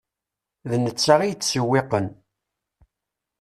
D netta i yettsewwiqen.